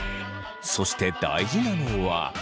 そして大事なのは。